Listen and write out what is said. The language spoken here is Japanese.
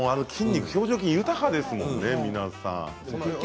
表情筋、豊かですものね、皆さん。